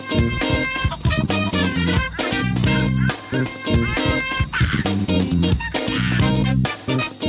กระดาษกระดาษ